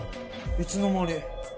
いつの間に。